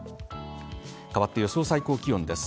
かわって予想最高気温です。